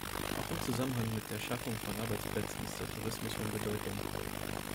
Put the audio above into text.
Auch im Zusammenhang mit der Schaffung von Arbeitsplätzen ist der Tourismus von Bedeutung.